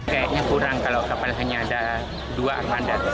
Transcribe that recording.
kayaknya kurang kalau kapal hanya ada dua armada